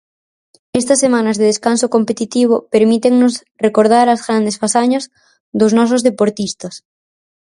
Estas semanas de descanso competitivo permítennos recordar as grandes fazañas dos nosos deportistas.